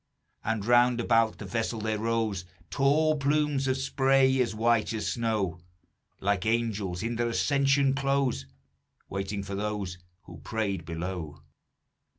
And round about the vessel there rose Tall plumes of spray as white as snow, Like angels in their ascension clothes, Waiting for those who prayed below.